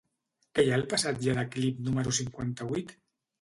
Què hi ha al passatge de Clip número cinquanta-vuit?